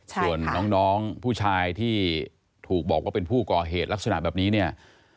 ส่วนน้องผู้ชายที่ถูกบอกว่าเป็นผู้ก่อเหตุลักษณะแบบนี้เนี่ย